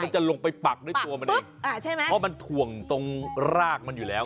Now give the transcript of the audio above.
จะลงไปปักด้วยตัวมันเองอ่าใช่ไหมเพราะมันถ่วงตรงรากมันอยู่แล้ว